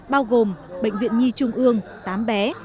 bao gồm bệnh viện nhi trung ương tám bé